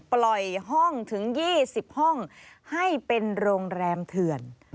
ปล่อยห้องถึง๒๐ห้องให้เป็นโรงแรมเถื่อน